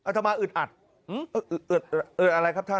อุทรมาอึดอัด